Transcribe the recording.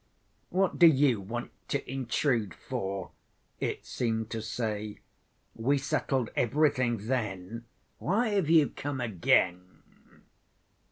"What do you want to intrude for?" it seemed to say; "we settled everything then; why have you come again?"